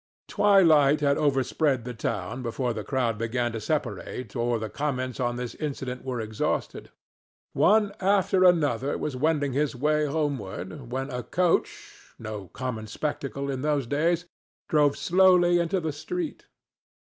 Twilight had overspread the town before the crowd began to separate or the comments on this incident were exhausted. One after another was wending his way homeward, when a coach—no common spectacle in those days—drove slowly into the street.